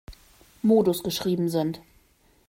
Modus geschrieben sind.